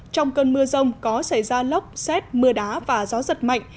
trong cơn mưa rông có xảy ra lốc xét mưa đá và gió giật mạnh